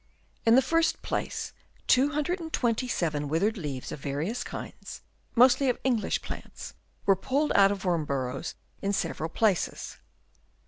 In the first place 227 withered leaves of various kinds, mostly of English plants, were pulled out of worm burrows in several places.